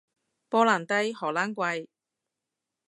波蘭低，荷蘭貴